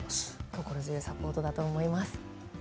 心強いサポートだと思います。